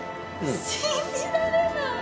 信じられない。